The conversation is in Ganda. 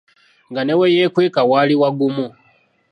Nga ne we yeekweka waali wagumu.